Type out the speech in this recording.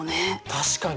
確かに。